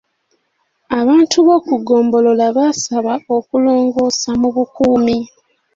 Abantu b'oku ggombolola baasaba okulongoosa mu bukuumi.